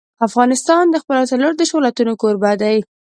افغانستان د خپلو څلور دېرش ولایتونو کوربه دی.